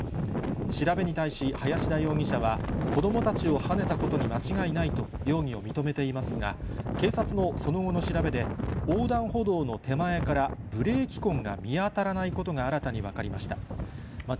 調べに対し、林田容疑者は、子どもたちをはねたことに間違いないと、容疑を認めていますが、警察のその後の調べで、横断歩道の手前からブレーキ痕が見当たらないことが新たに分かりました。